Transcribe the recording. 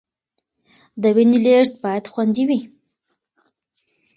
د وینې لیږد باید خوندي وي.